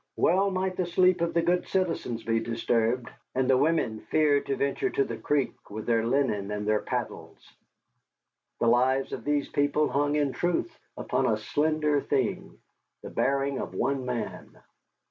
Well might the sleep of the good citizens be disturbed, and the women fear to venture to the creek with their linen and their paddles! The lives of these people hung in truth upon a slender thing the bearing of one man.